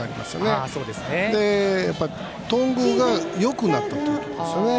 あと頓宮がよくなったということですね。